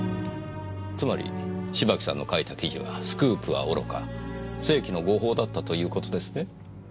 つまり芝木さんの書いた記事はスクープはおろか世紀の誤報だったという事ですね？